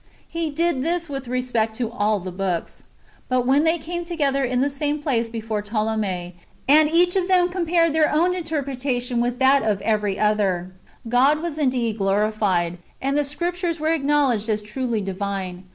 He did this Avith respect to all the books. But when they came together in the same place before Ptolemy, and each of them compared his own interpretation with that of every other, God was indeed glorified, and the Scriptures were acknowledged as truly divine.